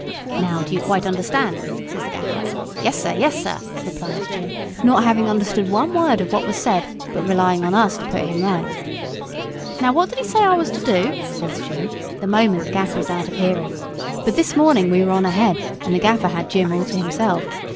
'Now do you quite understand?' says the Gaffer. 'Yes, sir; yes, sir,' replies Jim, not having understood one word of what was said; but relying on us to put him right. 'Now what did he say I was to do?' says Jim, the moment the Gaffer is out of hearing. But this morning we were on ahead, and the Gaffer had Jim all to himself.